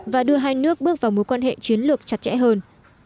và đưa hai nước bước vào mối quan hệ chiến lược chặt chẽ hơn